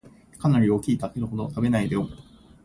かなり大きいタケノコを食べないでよん